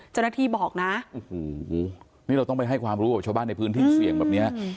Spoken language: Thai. เจ้าหน้าที่บอกนะโอ้โหนี่เราต้องไปให้ความรู้กับชาวบ้านในพื้นที่เสี่ยงแบบนี้